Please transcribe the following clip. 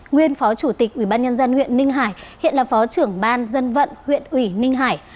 nguyên phó chủ tịch ủy ban nhân dân huyện ninh hải hiện là phó trưởng ban dân vận huyện ủy ninh hải